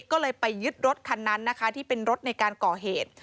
ก็เลยไปยึดรถคันนั้นนะคะที่เป็นรถในการก่อเหตุ